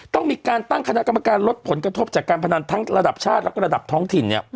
ต้องมีการตั้งคณะกรรมการลดผลกระทบจากการพนันทั้งระดับชาติแล้วก็ระดับท้องถิ่น